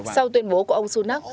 sau tuyên bố của ông sunak